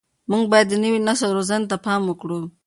موږ باید د نوي نسل روزنې ته پام وکړو.